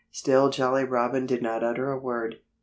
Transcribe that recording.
Still Jolly Robin did not utter a word.